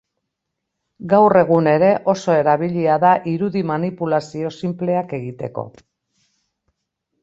Gaur egun ere oso erabilia da irudi manipulazio sinpleak egiteko.